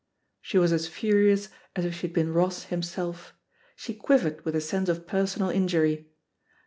She was as furious as if she had been Koss himself; she quivered with a sense of personal injury.